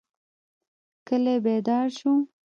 کلی بیدار شو.